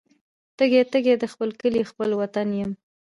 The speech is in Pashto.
تږي، تږي د خپل کلي خپل وطن یم